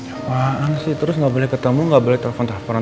apaan sih terus enggak boleh ketemu enggak boleh telfon telfonan